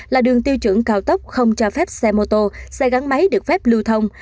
là đường tiêu chuẩn cao tốc không cho phép xe mô tô xe gắn máy được phép lưu thông